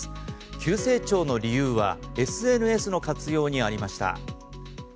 急成長の理由はＳＮＳの活用にありました。